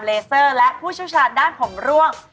เลเซอร์และผู้ชาวชาญด้านผมร่วง